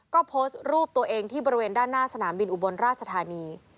ก็โพสต์รูปตัวเองที่บริเวณด้านหน้าสนามบินอุบลราชธานี